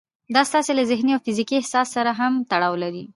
دا ستاسې له ذهني او فزيکي احساس سره هم تړاو لري.